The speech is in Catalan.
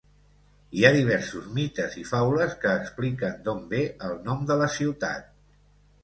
Hi ha diversos mites i faules que expliquen d'on ve el nom de la ciutat.